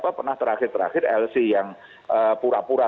atau ini pernah terakhir terakhir lc yang pura pura terjadi